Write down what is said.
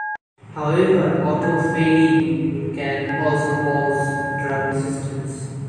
However, autophagy can also cause drug resistance.